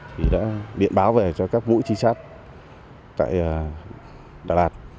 thì đã điện báo về cho các vũ trinh sát tại đà lạt